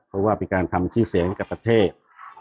เพราะว่าเป็นการทำชื่อเสียงให้กับประเทศ